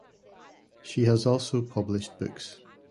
She has also published books.